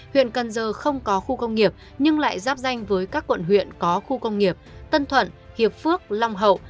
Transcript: huyện cần giờ không có khu công nghiệp nhưng lại giáp danh với các quận huyện có khu công nghiệp tân thuận hiệp phước long hậu